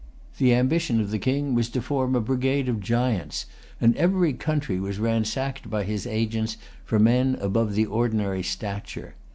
The ambition of the King was to form a brigade of giants, and every country was ransacked by his agents for men above the ordinary stature.